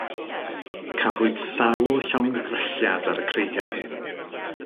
Cafwyd sawl llongddrylliad ar y creigiau hyn.